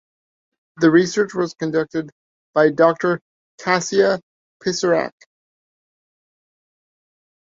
The research was conducted by Doctor Kasia Pisarek.